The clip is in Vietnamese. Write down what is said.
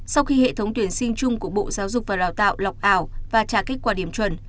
sau khi hệ thống tuyển sinh chung của bộ giáo dục và đào tạo lọc ảo và trả kết quả điểm chuẩn